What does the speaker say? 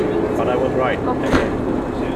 But I was right - again!